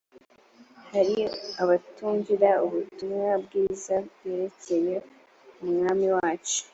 hari abatumvira ubutumwa bwiza bwerekeye umwami wacu